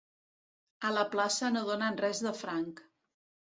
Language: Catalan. A la plaça no donen res de franc.